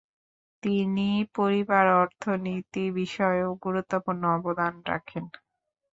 তিনি পরিবার অর্থনীতি বিষয়েও গুরুত্বপূর্ণ অবদান রাখেন।